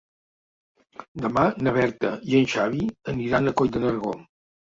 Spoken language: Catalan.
Demà na Berta i en Xavi aniran a Coll de Nargó.